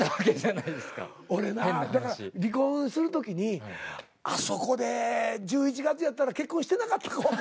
俺なだから離婚する時にあそこで１１月やったら結婚してなかったかもわからへんな。